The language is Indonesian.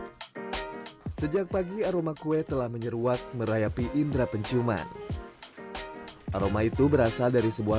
hai sejak pagi aroma kue telah menyeruat merayapi indra penciuman aroma itu berasal dari sebuah